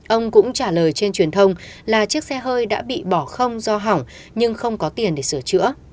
ông cũng trả lời trên truyền thông là chiếc xe hơi đã bị bỏ không do hỏng nhưng không có tiền để sửa chữa